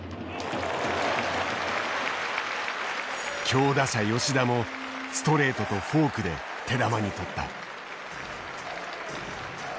強打者吉田もストレートとフォークで手玉に取った。